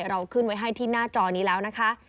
เราขึ้นไว้ให้ที่หน้าจอนี้แล้วนะคะ